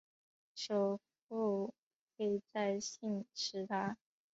首府位在兴实达。